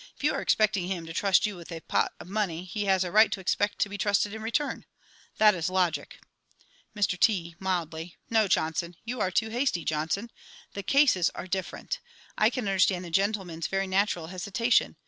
If you are expecting him to trust you with the pot of money, he has a right to expect to be trusted in return. That is logic! Mr T. (mildly). No, JOHNSON, you are too hasty, JOHNSON. The cases are different. I can understand the gentleman's very natural hesitation.